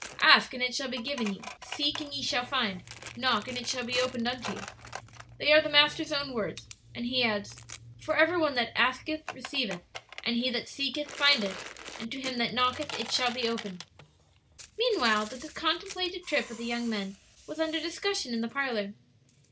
"'Ask, and it shall be given you; seek, and ye shall find; knock, and it shall be opened unto you.' "They are the Master's own words; and He adds: 'For every one that asketh receiveth; and he that seeketh findeth; and to him that knocketh it shall be opened.'" Meanwhile the contemplated trip of the young men was under discussion in the parlor.